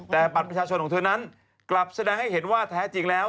แต่บัตรประชาชนของเธอนั้นกลับแสดงให้เห็นว่าแท้จริงแล้ว